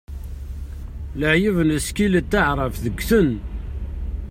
Leɛyub n usekkil n taɛrabt ggten.